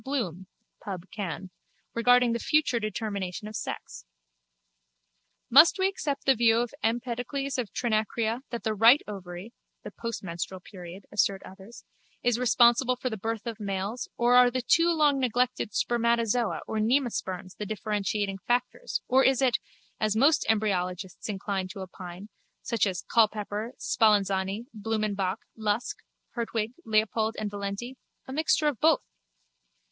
Bloom (Pubb. Canv.) regarding the future determination of sex. Must we accept the view of Empedocles of Trinacria that the right ovary (the postmenstrual period, assert others) is responsible for the birth of males or are the too long neglected spermatozoa or nemasperms the differentiating factors or is it, as most embryologists incline to opine, such as Culpepper, Spallanzani, Blumenbach, Lusk, Hertwig, Leopold and Valenti, a mixture of both?